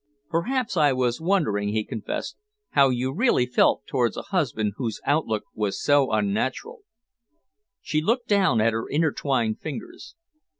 "Perhaps I was wondering," he confessed, "how you really felt towards a husband whose outlook was so unnatural." She looked down at her intertwined fingers.